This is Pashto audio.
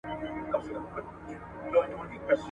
له ډېره وخته تعویذونه لیکي ,